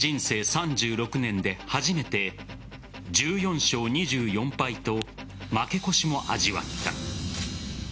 ３６年で初めて１４勝２４敗と負け越しも味わった。